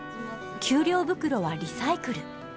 給料袋はリサイクル。